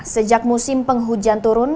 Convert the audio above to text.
sejak musim penghujan turun